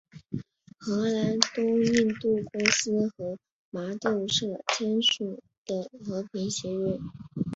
荷兰东印度公司和麻豆社签订的和平协约。